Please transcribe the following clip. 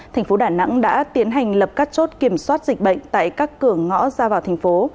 thành phố đà nẵng đã tiến hành lập các chốt kiểm soát dịch bệnh tại các cửa ngõ ra vào thành phố